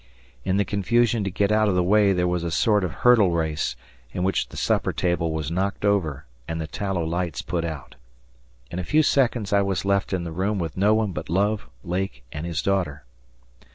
In the confusion to get out of the way there was a sort of hurdle race, in which the supper table was knocked over, and the tallow lights put out. In a few seconds I was left in the room with no one but Love, Lake, and his daughter.